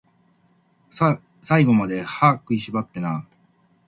最後まで、歯食いしばってなー